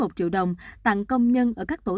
một triệu đồng tặng công nhân ở các tổ